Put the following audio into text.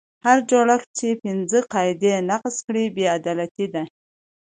هر جوړښت چې پنځه قاعدې نقض کړي بې عدالتي ده.